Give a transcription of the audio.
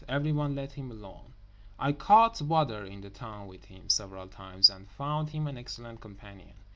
Everyone let him alone. I "caught water" in the town with him several times and found him an excellent companion.